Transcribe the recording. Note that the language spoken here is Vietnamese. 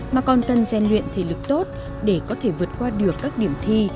mà còn cần gian luyện thể lực tốt để có thể vượt qua được các điểm thi